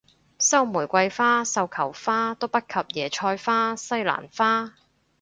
收玫瑰花繡球花都不及椰菜花西蘭花